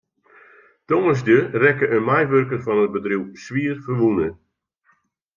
Tongersdei rekke in meiwurker fan it bedriuw swierferwûne.